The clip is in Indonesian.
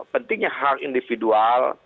pentingnya hak individual